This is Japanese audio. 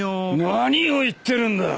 何を言ってるんだ。